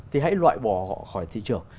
thì hãy loại bỏ họ khỏi thị trường